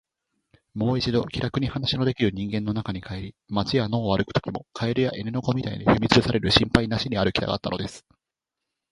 もう一度、気らくに話のできる人間の中に帰り、街や野を歩くときも、蛙や犬の子みたいに踏みつぶされる心配なしに歩きたかったのです。